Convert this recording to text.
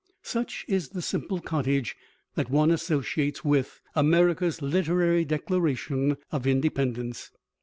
Such is the simple cottage that one associates with America's literary declaration of independence.